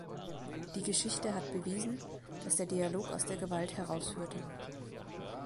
Die Geschichte hat bewiesen, dass der Dialog aus der Gewalt herausführte.